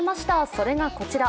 それがこちら。